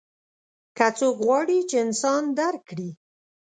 که څوک غواړي چې انسان درک کړي.